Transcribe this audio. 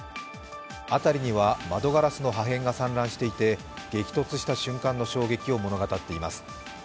辺りには窓ガラスの破片が散乱していて激突した瞬間の衝撃を物語っています。